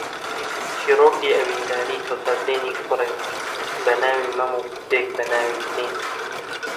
چیرۆکی ئەوینداریی دڵتەزێنی کوڕێک بە ناوی مەم و کچێک بە ناوی زین